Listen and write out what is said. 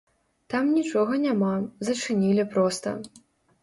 Там нічога няма, зачынілі проста.